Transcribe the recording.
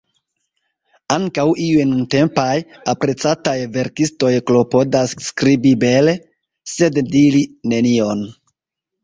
Ankaŭ iuj nuntempaj, aprecataj verkistoj klopodas skribi bele, sed diri nenion.